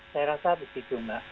saya rasa harus di gunakan